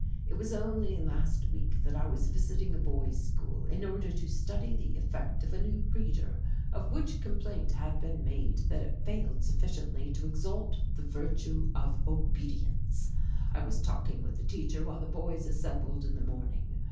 It was only last week that I was visiting a boy's school in order to study the effect of a new reader of which complaint had been made that it failed sufficiently to exalt the virtue of obedience. I was talking with the teacher while the boys assembled in the morning.